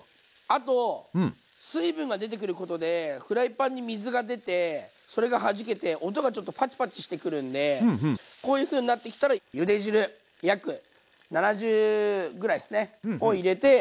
あと水分が出てくることでフライパンに水が出てそれがはじけて音がちょっとパチパチしてくるんでこういうふうになってきたらゆで汁約７０ぐらいですねを入れて。